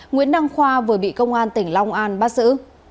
nguyễn đăng khoa vừa bị công an tỉnh long an bắt giữ